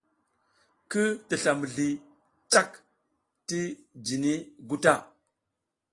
Ki tisla mizli cak ti jiniy gu ta.